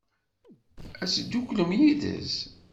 Ad tedduklem yid-s?